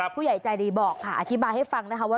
ผู้ใหญ่ใจดีบอกค่ะอธิบายให้ฟังนะคะว่า